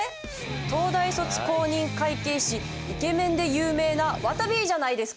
東大卒公認会計士イケメンで有名なわたびじゃないですか？